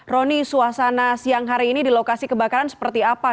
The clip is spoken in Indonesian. roni suasana siang hari ini di lokasi kebakaran seperti apa